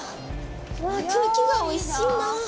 うわっ空気がおいしいな。